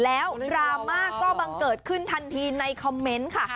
แล้วดราม่าก็บังเกิดขึ้นทันทีในคอมเมนต์ค่ะ